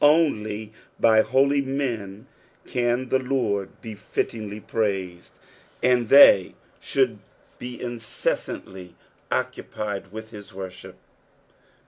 Only by holy men e«n the Lord be fittingly praised, &nd they sbould be inceasantly occupied vith his worship.